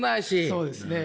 そうですね。